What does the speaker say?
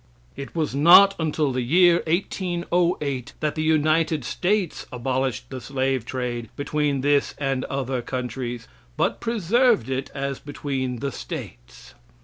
It was not until the year 1808 that the United States abolished the slave trade between this and other countries, but preserved it as between the States.